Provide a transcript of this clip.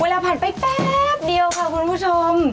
ผ่านไปแป๊บเดียวค่ะคุณผู้ชม